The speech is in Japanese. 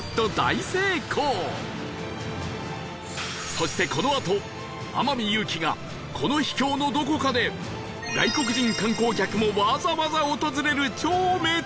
そしてこのあと天海祐希がこの秘境のどこかで外国人観光客もわざわざ訪れる超名店を見つける事に